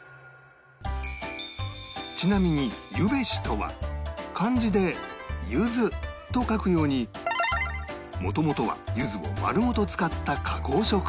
ちなみに「ゆべし」とは漢字で「柚子」と書くようにもともとは柚子を丸ごと使った加工食品